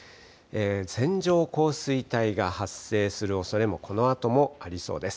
線状降水帯が発生するおそれもこのあともありそうです。